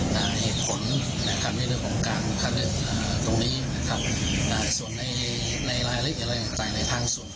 แล้วก็พี่น้องจังหวัดเชียงใหม่ได้รับสร้างอีกทีหนึ่ง